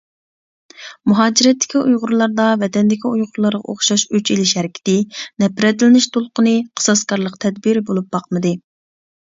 مۇھاجىرەتتىكى ئۇيغۇرلاردا ۋەتەندىكى ئۇيغۇرلارغا ئوخشاش ئۆچ ئېلىش ھەرىكىتى، نەپرەتلىنىش دولقۇنى، قىساسكارلىق تەدبىرى بولۇپ باقمىدى.